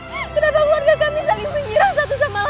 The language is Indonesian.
kenapa keluarga kami saling menjirah satu sama lain